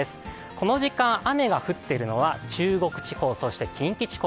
この時間、雨が降っているのは中国地方、そして近畿地方。